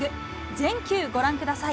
全球ご覧ください。